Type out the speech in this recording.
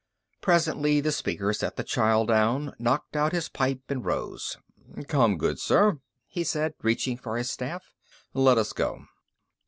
Presently the Speaker set the child down, knocked out his pipe, and rose. "Come, good sir," he said, reaching for his staff. "Let us go."